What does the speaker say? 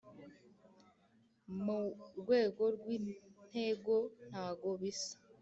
mu rwego rw’intego ntago bisa